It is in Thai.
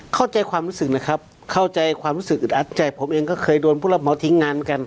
เข้าใจความรู้สึกนะครับเข้าใจความรู้สึกอึดอัดใจผมเองก็เคยโดนผู้รับเหมาทิ้งงานกัน